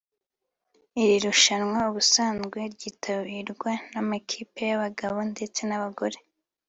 Iri rushanwa ubusanzwe ryitabirwa n’amakipe y’abagabo ndetse n’abagore